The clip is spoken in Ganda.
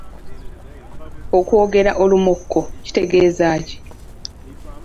Okwogera olumokko kitegeeza ki?